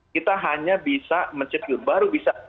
kita hanya bisa mencekur